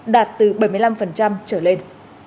đạt từ bảy mươi năm trở lên